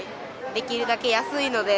できるだけ安いので。